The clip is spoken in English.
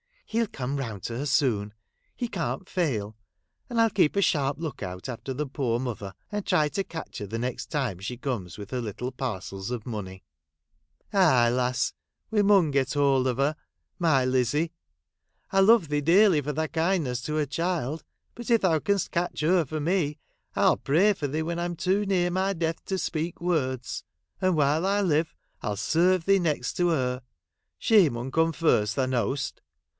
' He'll come round to her soon ; he can't fail ; and I '11 lieep a sharp look out after the poor mother, and try and catch lier the next time she comes with her little parcels of money.' 'Aye, lass ! we mun get hold of her ; my Lizzie. I love thee dearly for thy kindness to her child ; but, if thou can'st catch her for me, I '11 pray for thee when I 'm too near my death to speak words ; and while I live, I '11 serve thee next to her, — she mun come first, thou know'st.